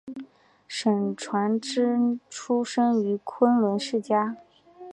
沈传芷出生于昆曲世家。